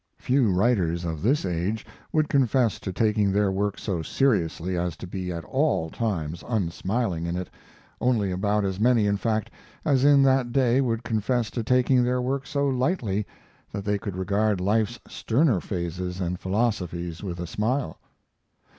Few writers of this age would confess to taking their work so seriously as to be at all times unsmiling in it; only about as many, in fact, as in that day would confess to taking their work so lightly that they could regard life's sterner phases and philosophies with a smile.